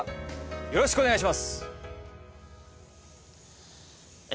よろしくお願いします！